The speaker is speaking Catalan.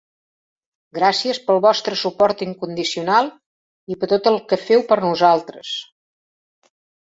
Gràcies pel vostre suport incondicional i per tot el que feu per nosaltres.